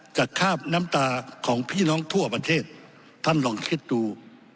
คาบน้ำตาของพี่น้องทั่วประเทศท่านลองคิดดู